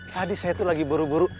tadi saya tuh lagi buru buru